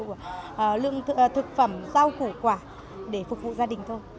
của thực phẩm rau khổ quả để phục vụ gia đình thôi